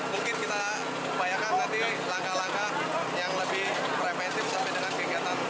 mungkin kita upayakan nanti langkah langkah yang lebih preventif sampai dengan kegiatan